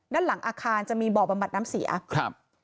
ด้านหลังอาคารจะมีบ่อบำบัดน้ำเสียครับ